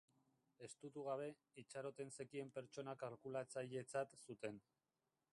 Estutu gabe, itxaroten zekien pertsona kalkulatzailetzat zuten.